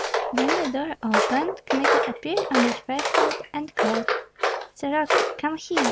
Then the door opened, Kmita appeared on the threshold, and called, "Soroka!